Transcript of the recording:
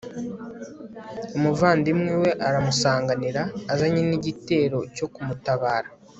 umuvandimwe we aramusanganira, azanye n'igitero cyo kumutabara